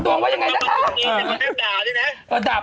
ต้องตายมันไม่เข้าคุณจะด่า